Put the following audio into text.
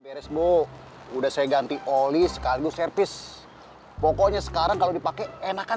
beresmu udah saya ganti oli sekali servis pokoknya sekarang kalau dipakai enakan